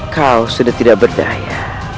kau sudah tidak berdaya